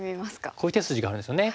こういう手筋があるんですよね。